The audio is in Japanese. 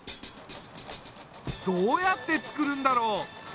どうやってつくるんだろう？